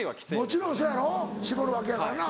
もちろんそやろ絞るわけやからな。